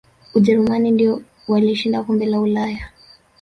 ujerumani ndiyo waliyoshinda kombe la ulaya